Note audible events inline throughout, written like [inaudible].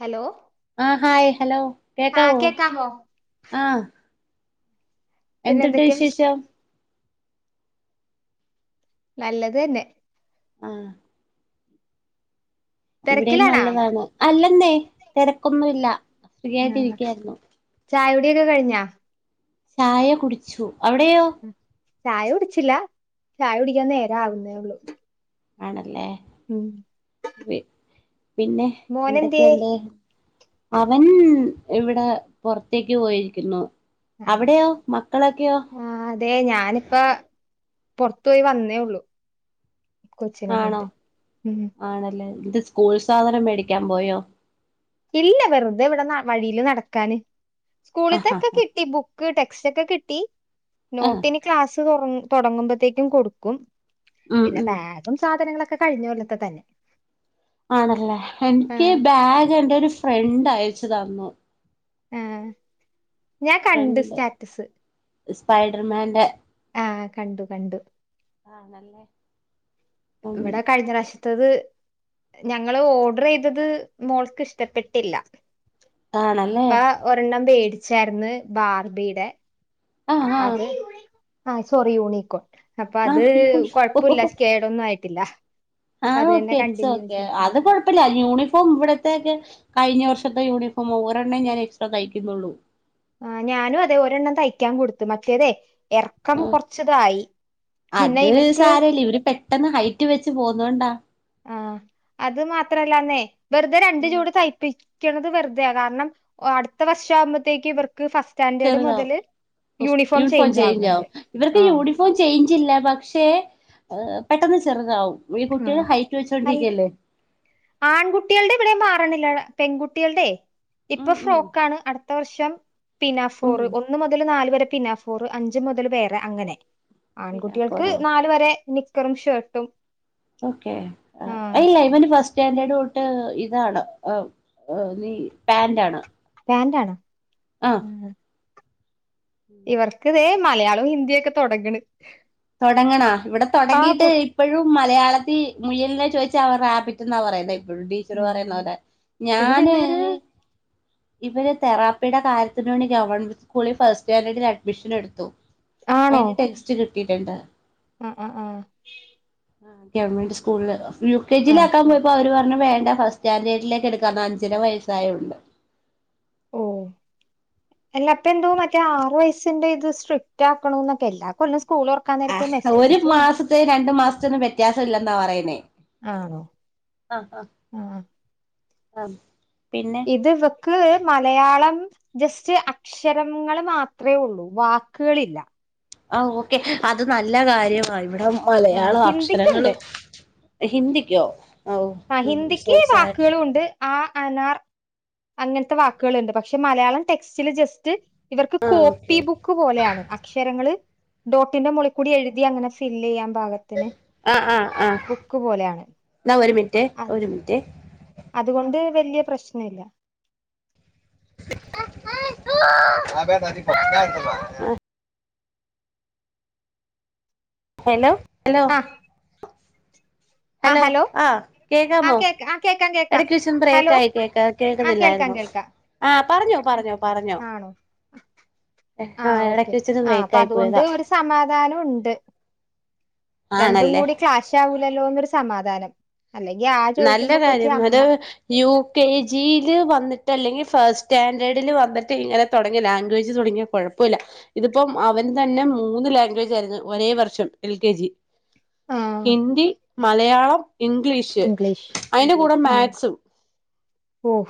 Hello ആഹ് hi hello ആഹ് കേക്കാവൊ കേക്കാമോ ആഹ് പിന്നെ എന്തുണ്ട് എന്തൊക്കെയാ വിശേഷം നല്ലത് തന്നെ ആഹ് ഇവിടെയും തിരക്കിലാണാ നല്ലതാണ് അല്ലെന്നെ തിരക്കൊന്നുംല്ല ആഹ് ചായ കുടി ഒക്കെ കഴിഞ്ഞാ? ചായ കുടിച്ചു അവിടെയോ? ചായ കുടിച്ചില്ല ചായ കുടിക്കാൻ നേര ആവുന്നേ ഉ ള്ളൂ ആണല്ലേ ഉം പി പിന്നെ മോനെന്തിയേ എന്തൊക്കെണ്ട് അവൻ ഇവിടെ പൊ ർ ത്തേക്ക് പോയിരിക്കുന്നു അവിടെയോ മക്കളൊക്കെയോ ആ അതെ ഞാനിപ്പൊ പൊർത്തോ യി വന്നേള്ളു കൊച്ചിനേം ആണോ കൊണ്ട് ആണല്ലേ എന്ത് സ്കൂൾ സാധനം മേടിക്കാൻ പോയോ ഇല്ല വെറുതെ ഇവിടെ വഴിയില് നടക്കാന് സ്കൂള് ആഹ് ത്തൊക്കെ കിട്ടി ബുക്ക് ക്ക് ടെക്സ്റ്റ് ഒക്കെ കിട്ടി ആഹ് നോട്ടിനി ക്ലാസ് തുടങ്ങുമ്പോഴത്തേക്കും കൊടുക്കും ഉം പിന്നെ ഉം ബാഗും സാധനങ്ങളൊക്കെ കഴിഞ്ഞ കൊല്ലത്തെ തന്നെ ആണല്ലേ എനിക്ക് ആഹ് ബാഗ് എന്റെ ഒരു ഫ്രണ്ട് അയച്ചു തന്നു ആ ഞാൻ കണ്ട് ഫ്രണ്ട് സ്റ്റാറ്റസ് സ്പൈഡർമാന്റെ ആഹ് കണ്ടു കണ്ടു ആണല്ലേ ഉം ഇവിടെ കഴിഞ്ഞ റാശ് അത് ഞങ്ങള് ഓഡ് റീ തത് മോൾക്ക് ഇഷ്ടപ്പെട്ടില്ല ആണല്ലേ ഇപ്പ ഒരെണ്ണം വേടിച്ചായിര് ന്നു ബാർബിയുടെ ആഹ് ആഹ് അത് ആ ചൊറി യൂണിക്കോൺ അപ്പൊ ആഹ് അത് കൊഴുപ്പല്ല ഒന്നും ആയിട്ടില്ല അപ്പൊ ആഹ അത് തന്നെ ഓക്കെ ഇറ്റ്സ് കണ്ടിന്യൂ ഓക്കെ ചെയ്യ അത് കൊ ഇപ്പല്ല യൂണിഫോം ഇവിടത്തക്കെ കഴിഞ്ഞ വർഷത്തെ യൂണിഫോം ഒരണ്ണം ഞാൻ എക്സ്ട്രാ തയ്യിക്കുന്നൊളൂ ആ ഞാനും അതെ ഒരെണ്ണം തയ്ക്കാൻ കൊടുത്തു മറ്റേതെ ഇറക്കം ആഹ് കുറച്ചതായി പിന്നെ ഇവർക്ക് ഇല്ലിവര് പെ പെട്ടെന്ന് ഹൈറ്റ് വെച്ച് പോകുന്നോണ്ടാ ആഹ് അത് മാത്രല്ലന്നേ വെറുതെ രണ്ട് ഉം ജോടി തയ്പ്പി ക്കുന്നത് വെറുതയ കാരണം അടുത്ത വർഷ ആകുമ്പോഴത്തേക്ക് ഇവർക്ക് ഫസ് ചെറുതാവും മ് യൂണിഫോം ചേഞ്ച് ആകും ഇവർക്ക് ആഹ് യൂണി ഇപ്പോ ചേയിഞ്ചില്ല പക്ഷേ പെട്ടെന്ന് ചെറുതാവും ഈ കുട്ട്യള് ഹൈറ്റ് അൽ വെച്ചോണ്ടിരിക്യല്ലേ ആൺകുട്ടികളുടെ ഇവിടെം മാറണില്ല പെൺകുട്ടികളുടെ ഇപ്പൊ ഉം ഉം ഫ്രോക്കാണ് അടു അടുത്ത വർഷം ഉം പിനാഫോറ് ഒന്ന് മുതൽ നാല് വരെ പിനാഫോറ് അഞ്ച് മുതല് വേറെ അങ്ങനെ പിന്നെ പോര ആൺകുട്ടികൾക്ക് ഓക്കെ നാല് വരെ നിക്കറും ഷേർട്ടും ഓക്കെ ഇല്ല ഇവന് ഫസ് സ്റ്റാൻഡേർഡ് തൊ ട്ട് ഇതാണ് ഈ പാന്റാണ് പാന്റാണാ ആഹ് മ് ഇവർക്ക് ദേ മലയാളവും ഹിന്ദിയെക്കെ തൊടങ്ങണ് തൊടങ്ങണാ ഇവിടെ തൊടങ്ങീട്ട് ബു ഇപ്പോഴും മലയാളത്തി മുയലിനെ ചോദിച്ചാ അവർ റാബിറ്റെന്നാ പറയുന്നേ ഇപ്പോഴ ഉം ഉം. പറയുന്നോലെ ഇത് ഞാന് പിന്നൊരു ഇവര് തെറപ്പിടെ കാര്യത്തിന് വേണ്ടി ഗവൺമെന്റ് സ്കൂളിൽ ഫസ്റ്റ് സ്റ്റാൻഡേർഡിൽ അഡ്മിഷൻ എടുത്തു ആണോ അയിന് ടെക്സ്റ്റ് കിട്ടിയിട്ട്ണ്ടാ ആഹ് ആഹ് ആഹ് ആഹ് ഗവൺമെന്റ് സ്കൂളില് യു കെ ജി ലാ ആഹ് ക്കാൻ പോയ പ്പൊ അവര് പറഞ്ഞു വേണ്ട ഫസ്റ്റ് സ്റ്റാൻഡേർഡിലേക്ക് എടുക്കാന്ന് അഞ്ചര വയസ്സായോണ്ട് ഓഹ് എല്ലപ്പൊ എന്തോ മറ്റേ ആറു വയസിന്റെ ഇത് സ്ട്രിക് ആക്കണോന്നൊക്കെ എല്ലകൊല്ലോം സ്കൂള് തൊറ ആ ഹ് ഒരു മാസത്തെ രണ്ടു മാസത്തന്നും വ്യത്യാസം ഇല്ലെന്നാ പറയണേ ആണോ ആഹ് ആഹ് ആഹ് പിന്നെ ഇതിവക്ക് മലയാളം ജസ്റ്റ് അ ക്ഷരങ്ങള് മാത്രേ ഉള്ളൂ വാക്കുകളില്ല ആഹ് ഓക്കെ അത് നല്ല കാര്യമാ ഇവിടെ ആഹ് മലയാള ഹിന്ദിക്കുണ്ട് അക്ഷരങ്ങളും ഹിന്ദിക്കോ ആഹ് ഓഹ് സോ ഹിന്ദിക്ക് സാഡ് വാക്കുകളും ഉണ്ട് ആ അനാർ അങ്ങനത്തെ വാക്കുകള്ണ്ട് പക്ഷെ മലയാളം ടെക്സ്റ്റില് ജസ്റ്റ് ഇവർക്ക് ആഹ് ഓക്കെ കോപ്പി ബുക് ക്ക് പോലെയാണ് അക്ഷരങ്ങള് ഡോട്ടിന്റെ മോളി കൂടി എഴുതി അങ്ങനെ ഫില്ല് ചെയ്യാൻ പാക ത്തിന് ബുക്ക് പോലെയാണ് ന്നാ ഒരു മിനിറ്റെ ആ ഒരു മിനിറ്റേ അതുകൊണ്ട് വല്യ പ്രശ്നഇല്ല [inaudible] ഹലോ ഹലോ ആ ഹലോ ആ ആ കേക്കാമോ കേക്ക ആ കേക്കാം കേക്കാം എടക്ക് വെച്ചൊന്നു ഹലോ ബ്രേക്കായി കേക്ക ആ കേൾക്കാം കേൾക്കുന്നില്ലായിരുന്നു കേൾക്കാം ആഹ് പറഞ്ഞോ പറഞ്ഞോ പറഞ്ഞോ ആഹ് ഓക്കെ ഇടയ്ക്ക് വെച്ചൊന്ന് ആ അപ്പ ബ്രേക്കായി അതുകൊണ്ട് പോയതാ ഒരു സമാധാനം ഉണ്ട് രണ്ടും ആണല്ലേ കൂടി ക്ലാഷ് ആവൂലല്ലോന്നൊരു സമാധാനം അല്ലെങ്കി ആ നല്ല ചോദിക്കുമ്പോ കൊച്ച് കാര്യം അത് അമ്മ യു കെ ജിയില് വന്നിട്ട് അല്ലെങ്കി ഫസ്റ്റ് സ്റ്റാൻഡേർഡില് വന്നിട്ട് ഇങ്ങനെ തുടങ്ങിയ ലാംഗ്വേജ് തുടങ്ങിയ കുഴപ്പമില്ല ഇതിപ്പം അവന് തന്നെ മൂന്ന് ലാംഗ്വേജ് ആയിരുന്നു ഒരേ വർഷം എൽ കെ ജി ആ ഹിന്ദി മലയാളം ഇംഗ്ലീഷ് ക്ലിഷ് അതിന്റെ കൂടെ ഹാ മാത്സും ഹൊഹ്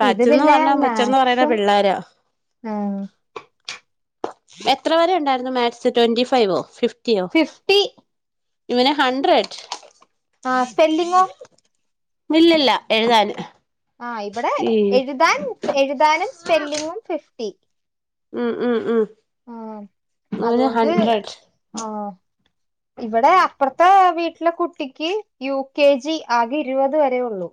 പച്ചന്ന് പറഞ്ഞാ മുച്ചന്ന് പറയ്ണ പിള്ളെര ആ എത്ര വെരെ ഉണ്ടായിരുന്നു മാത്സ് ട്വന്റി ഫൈവോ ഫിഫ് ഫിഫ്ട്ടി ഇവെന് ഹഡ്രഡ് ആ സ്പെല്ലിങ്ങോ ന്നില്ലല്ല എഴുതാന് ആഹ് ഇവടെ എഴുതാൻ എഴുതാനും സ്പെല്ലിങ്ങും ഫിഫ്റ്റി. ഉം, ഉം, ഉം ആഹ് അവന് അതുകൊണ്ട് ഹൺഡ്രഡ് ആഹ് ഇവടെ ഉം അപ്പർ ത്താ വീട്ടിലെ കുട്ടിക്ക് യു കെ ജി ആകെ ഇരുപത് വെരേ ഒള്ളൂ.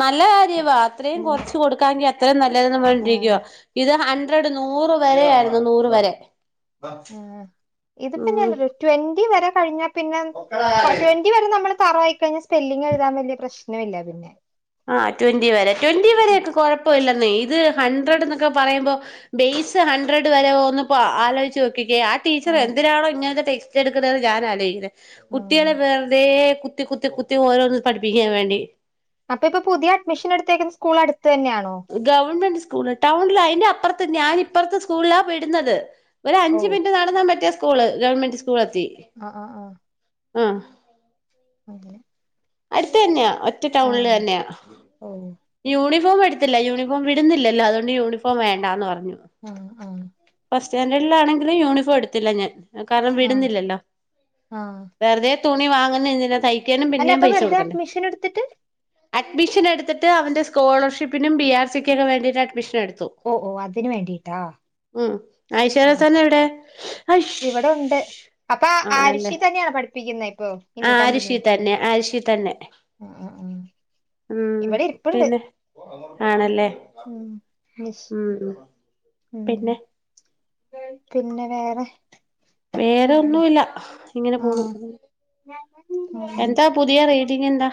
ന്നല്ലെ കാര്യവാ അത്രീം കൊർച്ച് കൊടുക്കാങ്കി അത്രി ന്നല്ലെതെന്ന് പറഞ്ഞണ്ടിരിക്കുവ. ആഹ് ഇത് ഹൺഡ്രഡ് നൂറ് വെരെ ആയിരുന്നു നൂറ് വെരെ. ഉം ഇത്പിന്നെല്ല ട്വന്റി വെരെ കഴിഞ്ഞാ പിന്നെ ട്വന് ന്റി വെരെ ന്നമ്മൾ തറയായിക്കയ്ഞ്ഞാൽ സ്പെല്ലിങ്‌ എഴുതൻ വല്ല്യാ പ്രശ്നൊല്ല പിന്നെ ആഹ് ട്വന്റി വെരെ ട്വന്റി വരെയൊക്കെ കൊഴപ്പല്ലെന്നെ ഇത് ഹൺഡ്രഡ്ന്നൊക്കെ പറയുമ്പോ ബേസ് ഹൺഡ്രഡ് വരെഒന്ന് ഇപ്പോ ആലോയ്ച്ച് നോക്കിക്കേ ടീച്ചർ ആഹ് എന്തിനണോ ഇങ്ങൻത്തെ ടെക്സ്റ്റ് എടുക്കുന്നെന്ന് ഞാൻ ആലോചിക്കുന്നെ ആഹ് കുട്ടിയാളെ വെറുതെ കുത്തി, കുത്തി, കുത്തി ഓരോന്ന് പഠിപ്പിക്കാൻവേണ്ടി. അപ്പൊഇപ്പൊ പുതിയ അഡ്മിഷൻ എടുത്തേക്കുന്ന സ്കൂൾ അടുത്ത് തന്നെയാണോ? ഗവൺമെന്റ് സ്കൂള് ടൗണില് അയ്ന്റെ അപ്പറത്ത് ഞാനിഇപ്പറത്തെ സ്കൂളിലാ വിടുന്നത്. ഒര് ഓ അഞ്ച് മിനിറ്റ് നടന്നാൽ മറ്റെ സ്കൂള് ഗവൺമെന്റ് സ്കൂളെത്തി. അഹ്, അഹ്, അഹാ അഹ് [unintelligible] അടുത്തെന്നെയാ ഒറ്റ ടൗണില് ആഹ് തന്നെയാ ഓ യൂണിഫോം എട് ത്ത്ല്ല യൂണിഫോം വിടുന്നില്ലല്ലോ അതോണ്ട് യൂണിഫോം വേണ്ടാന്ന് പറഞ്ഞു. ആഹ്, ആഹ് ഫസ്റ്റ് സ്റ്റാൻഡേർഡിലാണെങ്കിലും യൂണിഫോം എടുത്തില്ല ഞാൻ കാരണം ആഹ് വിടുന്നില്ലല്ലോ? ആഹ് വെർതെ തുണി വാങ്ങുന്നെ എന്തിനാ തയ്ക്കാനും അല്ല പിന്നേം അപ്പൊ പൈസ വെറുതെ കൊടുക്കണ്ടേ? അഡ്മിഷൻ എടുത്തിട്ട് അഡ്മിഷൻ എടുത്തിട്ട് അവന്റെ സ്കോളർഷിപ്പിനും ബി ആർ സിക്ക് ഒക്കെ വേണ്ടിയിട്ട് അഡ്മിഷൻ എടുത്തു. ഒഹ്, ഒഹ് അതിന് വേണ്ടിട്ടാ? ഉം ഐഷാ ആഹ് റെസാന എവിടെ ഐശൂ ഇവിടെ ഉണ്ട് അപ്പൊ ആണല്ലേ ആരുഷി തന്നെയാണ് പഠിപ്പിക്കുന്നത് ഇപ്പൊ ഇനി കണ്ടിന്യൂ ആരിഷി തന്നെ, ആരിഷി തന്നെ ആഹ് ആഹ് ആഹ് ഉം ഇവിടെ ഇരിപ്പുണ്ട് പിന്നെ ആണല്ലേ? [unintelligible] ഉം ഉം പിന്നെ പിന്നെ വേറെ ആഹ് വേറെഒന്നുല്ല. ഇങ്ങനെ പോണു ആഹ് ഉം എന്താ പുതിയ റേടിങ്ങ് എന്താ?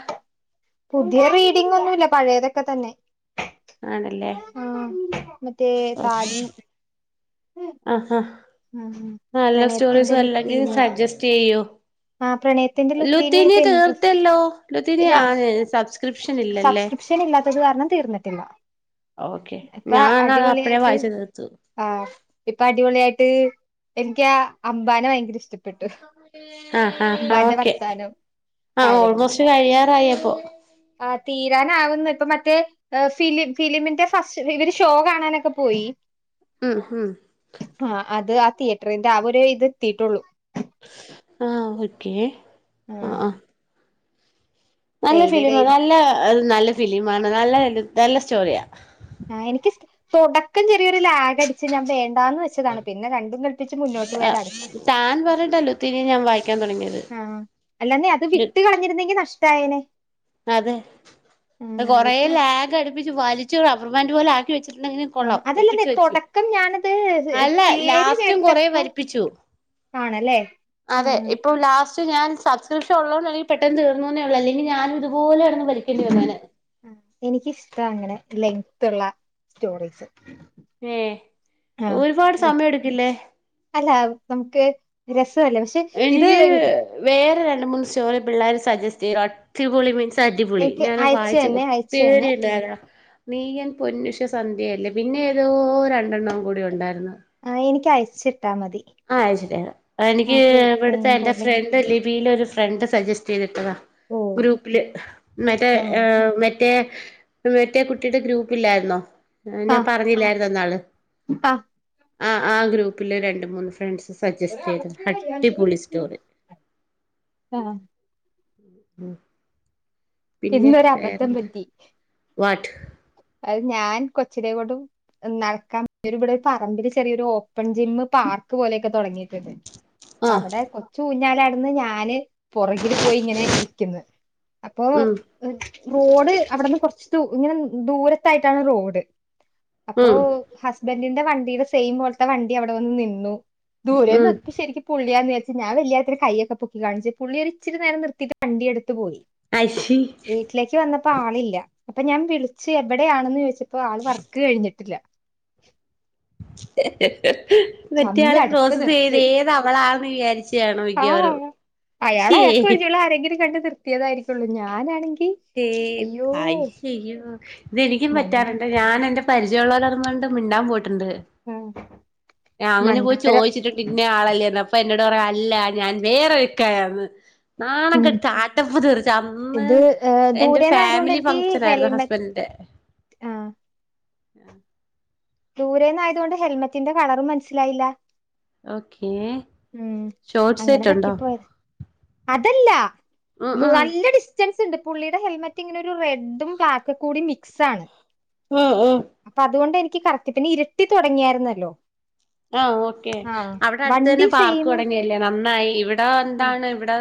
പുതിയ റീഡിംങ്ങൊന്നുല്ല പയേതൊക്കെ തന്നെ. ആണല്ലേ ആഹ് മറ്റേ താലി അഹ്. അഹ് ആഹ് ന്നല്ലെ സ്റ്റോറീസ് പ്രണയത്തിന്റെ അല്ലെങ്കിൽ ലുത്തീനിയ സജെസ്റ്റെയ്യോ? ആഹ് പ്രണയത്തിന്റെ ലുത്തീനിയ ഇപ്പൊ ഇൻട്രസ്റ്റ് തീർത്തല്ലോ ലുത്തീന ഞാ ആഹ് സബ് സബ്സ്ക്രിപ്ഷൻ ഇല്ലാത്തത് കാരണം തീർന്നിട്ടില്ല. ഓക്കെ ഇപ്പ ഞാനത് അപ്പഴേ അടിപൊളിയായിട്ട് വായിച്ച് തീർത്തു. ആഹ് ഇപ്പഅടിപൊളിയായിട്ട് എനിക്കാ അംമ്പാനെ ഭയങ്കെരെ ഇഷ്ട്ടപ്പെ പ്പെട്ടു ആ ആ ആ അമ്പാന്റെ ഓക്കെ വർത്താനം കാര്യങ്ങളൊക്കെ കയ്യാറായോപ്പോ? ആഹ് തീരാനാവുന്നു ഇപ്പമറ്റേ ഏഹ് ഫിലിം ഫിലിമിന്റെ ഫസ്റ്റ് ഇവര് ഷോ കാണാനൊക്കെ പോയി. ഉം ഉം ആഹ് അത് ആഹ് തിയേറ്ററിന്റെ ആര് ഇത് എത്തിട്ടുള്ളൂ ആഹ് ഓക്കെ ആ ആഹ് ആ നല്ല ഫിലിം ഡെയിലി നല്ലത് നല്ല ഫിലി ആണ് നല്ല നല്ല നല്ല സ്റ്റോറിയാ ആഹ് എനിക്ക് തുടക്കം ചെറിയൊരു ലാഗ് അടിച്ച് ഞാൻ വേണ്ടാന്ന് വെച്ച ച്ചതാണ് പിന്നെ രണ്ടും കൽപ്പിച്ച് മുന്നോട്ട് പോയതാണ് താൻ പറഞ്ഞിട്ടാ ലുത്തിനി ഞാൻ വായിക്കാൻ തുടങ്ങിയത് ആഹ് അല്ലാന്നെ അത് വിട്ട് കളഞ്ഞിരുന്നെങ്കി നഷ്ടയേനെ അതെ കൊറെ കള ലാഗ് അടുപ്പിച്ച് വലിച്ചു റബർബാൻഡ് പോലെ ആക്കി വെച്ചിട്ടുണ്ടെ ആ കൊള്ളം ഒപ്പിച്ച അതല്ലന്നേ വെച്ചു തുടക്കം ഞാനത് അല്ല പേര് ലാസ്റ്റും കൊറ കേട്ടപ്പോ വലിപ്പിച്ചു ആണല്ലേ അതെ ആ ഇപ്പൊ ലാസ്റ്റ് പക്ഷ ഞാൻ സബസ്ക്രിപ്ഷ ഉള്ളല്ലെങ്ക പെട്ടന്ന് തീർന്നുന്നേ ഉള്ളൂ അല്ലെങ്കി ഞാൻ ഇതുപോലെ കെടന്ന് വിളിക്കേണ്ടി വന്നെനെ ആഹ് എനിക്കിഷ്ടം അങ്ങനെ ലെങ്ത്ത്ള്ള സ്റ്റോറീസ് ഏഹ് ആഹ് ഒരുപാട് ലെ- സമയം എടുക്കില്ലേ അല്ല നമുക്ക് രസല്ല പക്ഷെ ഇത് എനിക്ക് വേറെ രണ്ട് മൂന്ന് സ്റ്റോറി പിള്ളേർ സജസ്റ്റ് ചെയ്തു അടിപൊളി മീൻസ് അടിപൊളി എനിക്ക് ഞാൻ അയച്ചു വായിച്ച തന്നെ അയച്ചു ഒത്തിരി തന്നെ ഉണ്ടായ നീ എൻ പൊന്നുഷ സന്ധ്യയല്ലേ പിന്നെ ഏതോ രണ്ടെണ്ണംവും കൂടി ഉണ്ടായിരുന്നു ആഹ് എനിക്ക് അയച്ചിട്ടാമതി ആഹ് ശരിയ എനിക്ക് ഇവിടുത്തെ ടൈം എന്റെ പോലെ ഫ്രണ്ട് ലിബിയില ഒരു ഫ്രണ്ട് സജസ്റ്റ് ചെയ്തിട്ടതാ ഓ ഗ്രൂപ്പില് മറ്റേ ആഹ് മറ്റേ മറ്റേ കുട്ടിയുടെ ഗ്രൂപ്പ് ഇല്ലായിരുന്നോ ഞാൻ ആഹ് പറഞ്ഞില്ലായിരുന്നോ എന്നാള് ആഹ് ആഹ് ആഹ് ഗ്രൂപ്പില് രണ്ട് മൂന്ന് ഫ്രണ്ട്സ് സജസ്റ്റ് ചെയ്ത അട്ടിപോളി സ്റ്റോറി ആഹ് പിന്നെ ഇന്നൊരു അബദ്ധം വേറെന്താ പറ്റി വാട്ട് അത് ഞാൻ കൊച്ചിനേ കൊണ്ട് നടക്കാൻ ഇവിടെ ഒരു പ പറമ്പര് ചെറിയൊരു ഓപ്പൺ ജിം പാർക്ക് പോലെയൊക്കെ തുടങ്ങിയിട്ട് അപ്പ ആ അവിടെ കൊച്ചു ഊഞ്ഞാല അടുന്ന് ഞാന് പുറകിൽ പോയി ഇങ്ങനെ ഇരിക്കുന്നു അപ്പോ ഉം റോഡ് അവിടുന്ന് കൊറച്ച് ദൂര ഇങ്ങനെ ദൂരത്തായിട്ടാണ് റോഡ് അപ്പോ ഉം ഹസ്ബൻ്റിന്റെ വണ്ടിയുടെ സെയിം പോലത്തെ വണ്ടി അവിടെ വന്ന് നിന്നു ഉം ദൂരെന്നൊക്കെ ശരിക്കും പുള്ളിയാന്ന് വെച്ചാ ഞാൻ വല്യക്കാരത്തിനു കയൊക്കെ പൊക്കി കാണിച്ച് പുള്ളിയ ഒരുരിരിര നിർത്തിട്ട് വണ്ടി എടുത്ത് പോയി അയിഷേ വീട്ടിലേക്ക് വന്നപ്പോ ആളില്ല അപ്പൊ ഞാൻ വിളിച്ച് എവിടെയാണന്ന് ചോദിച്ചപ്പോ ആൾ വർക്ക് കഴിഞ്ഞിട്ടില്ല ചമ്മി മറ്റയാള് അടുത്ത് പ്രോസസ്സ് ചെയ്ത് നിർത്ത് ഏത് അവളാണെന്ന് വിചാരിച്ചതാണ് ആ മിക്കവരും അയാൾ അയാൾക്ക് പരിച്ചോളൂ ആരെങ്കിലും കണ്ട് നിർത്തിയതായിരിക്കുള്ളൂ ഞാനാണെങ്കിൽ ആയി അയ്യയോ ഇതെനിക്കും പറ്റാറുണ്ട് മണ്ടത്തരം ഞാൻ എറെ പരിചയമുള്ളരറങ്ങണ്ട് മിണ്ടാൻ പോയിട്ടുണ്ട് അങ്ങനെ പോയി മണ്ടത്തരം ചോദിച്ചിട്ട്ണ്ട് ഇന്നെ ആളല്ലന്ന് അപ്പൊ എന്നോട്ട പറയ അല്ല ഞാൻ വേറെൊക്കന്ന് ഉം നാണംകേട്ട് ആട്ടപ്പ് തെറിച്ച് അന്ന് ഇത് ഏഹ് എന്റെ ദൂരേന്നായതുകൊണ്ട് ഫാമിലി എനിക്ക് ഫംഗ്ഷൻ ആയിരുന്നു ഹെൽമെറ്റ് ഹസ്ബൻഡിന്റെ ആഹ് ആഹ് ദൂരെ നിന്ന ആയതുകൊണ്ട് ഹെൽമെറ്റിന്റെ കളറും മനസ്സിലായില്ല ഓക്കേ ഉം ഷോർട്ട് അങ്ങനെ സെറ്റ് ഉണ്ടോ പറ്റിപ്പോയതാ അതല്ല ഉം ഉം നല്ല ഡിസ് ൻസ് ഉണ്ട് പുള്ളിയുടെ ഹെൽമെറ്റ് ഇങ്ങനെ ഒരു റെഡും ബ്ലാക്കും കൂടി മിക്സ് ആണ് ആഹ് ആഹ് അപ്പൊ അതുകൊണ്ട് എനിക്ക് കറക്റ്റ പിന്നെ ഇരിട്ടി തുടങ്ങിയായിരുന്നല്ലോ ആഹ് ഓക്കെ ആഹ് അവിടെ അടുത്ത് തന്നെ വണ്ടി പാർക്ക് സെയിം തുടങ്ങിയ നന്നായി ഇവിടെ എന്താണ് ഇവിടെ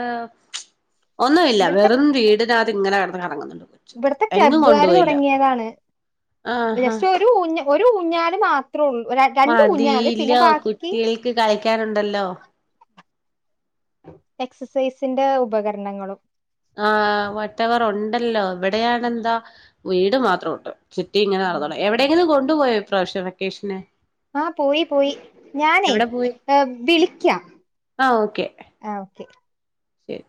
ഒന്നുമില്ല ഇവിടുത്തെ വെറും വീട് ഇതിനകത്ത് ഇങ്ങനെ കിടന്ന് കറങ്ങുന്നു ഇവിടത്തെ ക്ലബ്ബുകാർ തുടങ്ങിയതാണ് ആഹാ ജസ്റ്റ് ഒരു ഊഞ്ഞ ഒരു ഊഞ്ഞാല് മാത്ര ഇത്ര ഉള്ളൂ രണ്ട് ഊഞ്ഞാൽ അതെ പിന്നെ ബാക്കി കളിക്കാറുണ്ടല്ലോ എക്സർസൈസിന്റെ ഉപകരണങ്ങളും ആഹ് വട്ടവർ ഉണ്ടല്ലോ എവിടെയണെന്താ വീട് മാത്രമുണ്ട് ചുറ്റി ഇങ്ങനെ ഉം നടന്നോണം എവിടെയെങ്കിലും കൊണ്ടുപോയോ ഈ പ്രാവശ്യം വെക്കേഷന് ആഹ് പോയി പോയി ഞാനേ എവിടെ പോയി ഏഹ് വിളിക്കാം ആഹ് ഓക്കെ ശെരി